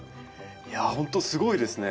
いやあ本当すごいですね。